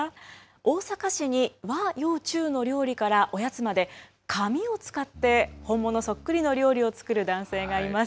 大阪市に和洋中の料理からおやつまで、紙を使って本物そっくりの料理を作る男性がいます。